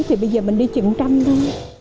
thì bây giờ mình đi chừng trăm thôi